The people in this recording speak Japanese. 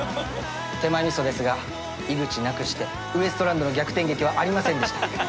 手前味噌ですが井口なくしてウエストランドの逆転劇はありませんでした。